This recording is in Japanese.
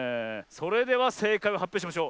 それではせいかいをはっぴょうしましょう。